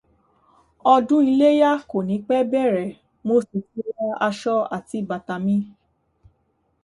Ọdún Iléyá kò ní pẹ́ bẹ̀rẹ̀, mo sì ti ra aṣọ àti bàtà mi